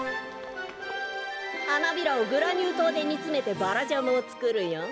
はなびらをグラニューとうでにつめてバラジャムをつくるよ。